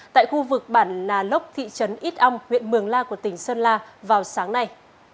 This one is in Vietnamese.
tại khu vực bản nà lốc thị trấn ít ong huyện mường la của tỉnh sơn la vào sáng nay